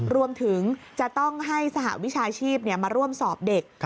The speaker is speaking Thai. รวมถึงจะต้องให้สหวิชาชีพมาร่วมสอบเด็ก